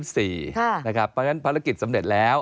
เพราะฉะนั้นภารกิจสำเร็จแล้ว